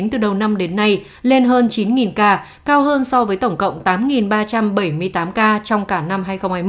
từ đầu năm đến nay lên hơn chín ca cao hơn so với tổng cộng tám ba trăm bảy mươi tám ca trong cả năm hai nghìn hai mươi một